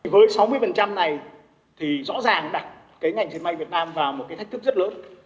với sáu mươi này thì rõ ràng đặt cái ngành dệt may việt nam vào một cái thách thức rất lớn